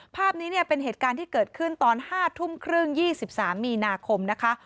ภาพนี้เนี่ยเป็นเหตุการณ์ที่เกิดขึ้นตอน๕ทุ่มครึ่ง๒๓มีนาคมนะคะ